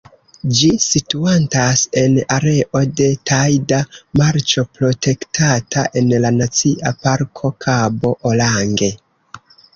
Ĝi situantas en areo de tajda marĉo protektata en la Nacia Parko Kabo Orange.